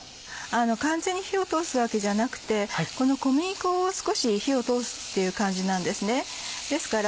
完全に火を通すわけじゃなくてこの小麦粉を少し火を通すっていう感じなんです。